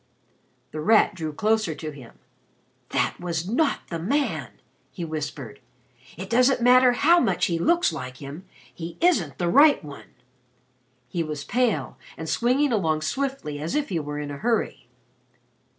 The Rat drew closer to him. "That was not the man!" he whispered. "It doesn't matter how much he looks like him, he isn't the right one." He was pale and swinging along swiftly as if he were in a hurry.